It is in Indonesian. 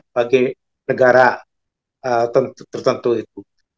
bagi negara tertentu itu